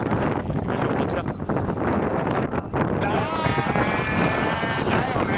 いきましょうこちらだよねだよね！